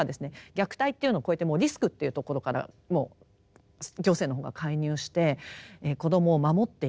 虐待っていうのを超えてもうリスクっていうところからもう行政の方が介入して子どもを守っていこうと。